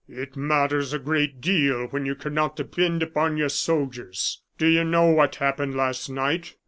"It matters a great deal when you cannot depend upon your soldiers. Do you know what happened last night?